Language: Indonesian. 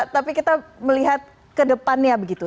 tapi kita melihat kedepannya begitu